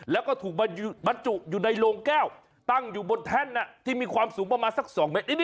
แล้วก็ถูกบรรจุอยู่ในโรงแก้วตั้งอยู่บนแท่นที่มีความสูงประมาณสัก๒เมตร